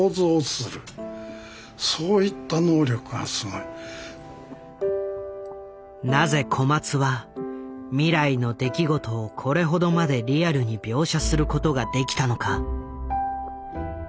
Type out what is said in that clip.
いやそんななぜ小松は未来の出来事をこれほどまでリアルに描写することができたのか。